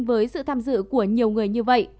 với sự tham dự của nhiều người như vậy